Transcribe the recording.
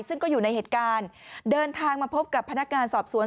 ซึ่งก็อยู่ในเหตุการณ์เดินทางมาพบกับพนักงานสอบสวน